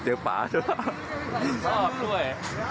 เจ๊ปลาด้วย